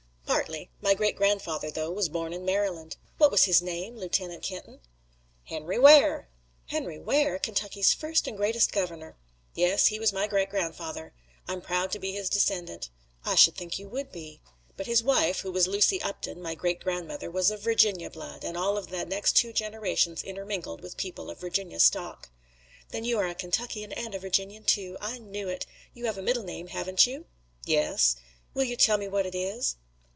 "Partly. My great grandfather, though, was born in Maryland." "What was his name, Lieutenant Kenton?" "Henry Ware!" "Henry Ware! Kentucky's first and greatest governor." "Yes, he was my great grandfather. I'm proud to be his descendant." "I should think you would be." "But his wife, who was Lucy Upton, my great grandmother, was of Virginia blood, and all of the next two generations intermarried with people of Virginia stock." "Then you are a Kentuckian and a Virginian, too. I knew it! You have a middle name, haven't you?" "Yes." "Will you tell me what it is?"